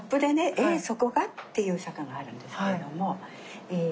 「えそこが？」っていう坂があるんですけれども。